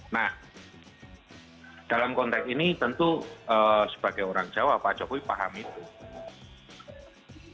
nah dalam konteks ini tentu sebagai orang jawa pak jokowi paham itu